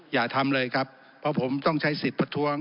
อย่าทำเลยครับเพราะผมต้องใช้สิทธิ์ประท้วง